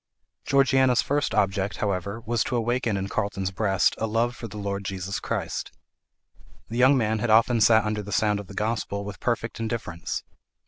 Georgiana's first object, however, was to awaken in Carlton's breast a love for the Lord Jesus Christ. The young man had often sat under the sound of the gospel with perfect indifference.